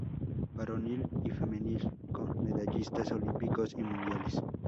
Varonil y Femenil con Medallistas Olímpicos y Mundiales.